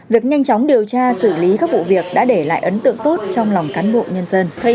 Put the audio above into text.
việc nhanh chóng điều tra xử lý các vụ việc đã để lại ấn tượng tốt trong lòng cán bộ nhân dân